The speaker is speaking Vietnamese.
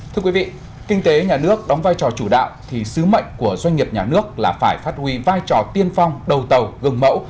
thưa quý vị kinh tế nhà nước đóng vai trò chủ đạo thì sứ mệnh của doanh nghiệp nhà nước là phải phát huy vai trò tiên phong đầu tàu gương mẫu